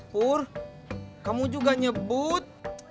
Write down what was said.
pur kamu juga nyebut